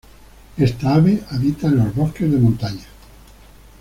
Esta ave habita en los bosques de montaña.